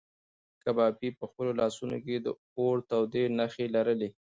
کبابي په خپلو لاسو کې د اور تودې نښې لرلې.